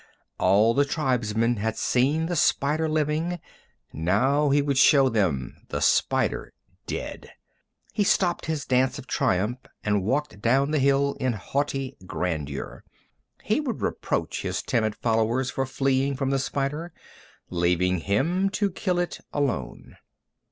All the tribesmen had seen the spider living. Now he would show them the spider dead. He stopped his dance of triumph and walked down the hill in haughty grandeur. He would reproach his timid followers for fleeing from the spider, leaving him to kill it alone.